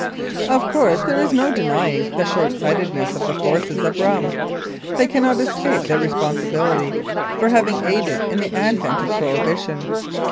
Of course, there is no denying the shortsightedness of the forces of rum. They cannot escape their responsibility for having aided in the advent of Prohibition.